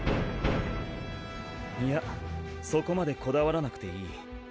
いやそこまでこだわらなくていい。